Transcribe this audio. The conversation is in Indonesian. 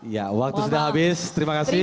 ya waktu sudah habis terima kasih